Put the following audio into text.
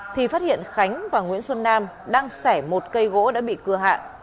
thì phát hiện khánh và nguyễn xuân nam đang sẻ một cây gỗ đã bị cưa hạ